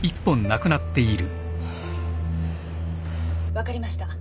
分かりました。